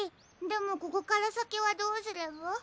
でもここからさきはどうすれば？